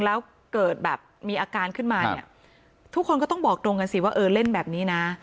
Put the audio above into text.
แล้วเกิดแบบมีอาการขึ้นมาเนี่ยทุกคนก็ต้องบอกตรงกันสิว่าเออเล่นแบบนี้นะ